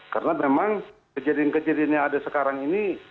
karena memang kejadian kejadian yang ada sekarang ini